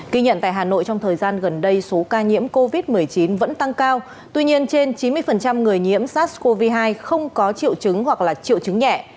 kỳ nhận tại hà nội trong thời gian gần đây số ca nhiễm covid một mươi chín vẫn tăng cao tuy nhiên trên chín mươi người nhiễm sars cov hai không có triệu chứng hoặc là triệu chứng nhẹ